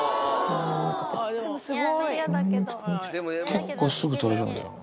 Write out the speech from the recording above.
結構すぐ取れるんだよな。